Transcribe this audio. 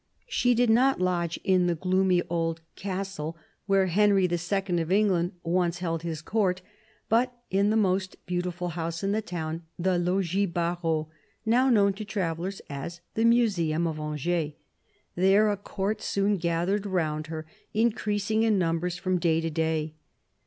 She did not lodge in the gloomy old castle, where Henry II. of England once held his court, but in the most beautiful house in the town, the Logis Barrault, now known to travellers as the Museum of Angers. There a Court soon gathered round her, increasing in numbers from day to day.